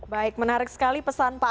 baik menarik sekali pesan pak